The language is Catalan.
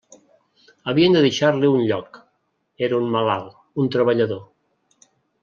Havien de deixar-li un lloc: era un malalt, un treballador.